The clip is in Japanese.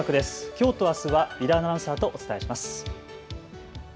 きょうとあすは井田アナウンサーとお伝えします。